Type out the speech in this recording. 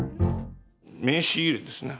名刺入れですね。